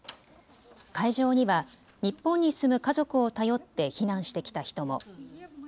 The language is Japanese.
会場には日本に住む家族を頼って避難してきた人も。